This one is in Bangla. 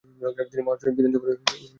তিনি মহারাষ্ট্র বিধানসভার একজন সদস্য।